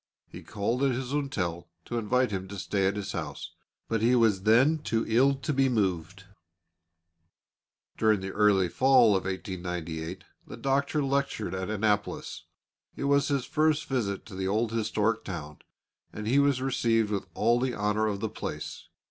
He called at his hotel to invite him to stay at his house, but he was then too ill to be moved. During the early Fall of 1898 the Doctor lectured at Annapolis. It was his first visit to the old historic town, and he was received with all the honour of the place.